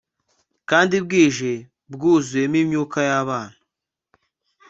kandi bwije bwuzuyemo imyuka y'abana,